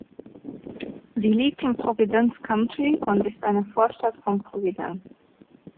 Sie liegt im Providence County und ist eine Vorstadt von Providence.